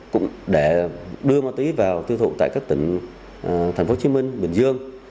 cũng để đưa ma túy vào tiêu thụ tại các tỉnh tp hcm bình dương